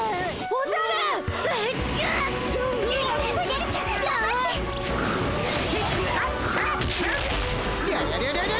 おじゃる！